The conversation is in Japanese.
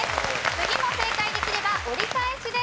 次も正解できれば折り返しです。